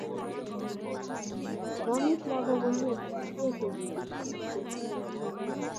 Ngoamis lagok komie koechikitu eng chokchinet